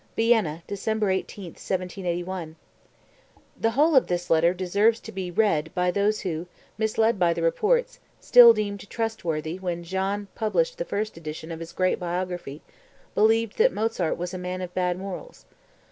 (Vienna, December 18, 1781. [The whole of this letter deserves to be read by those who, misled by the reports, still deemed trustworthy when Jahn published the first edition of his great biography, believed that Mozart was a man of bad morals.